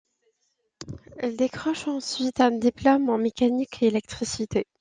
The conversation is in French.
Il décroche ensuite un diplôme en mécanique et électricité.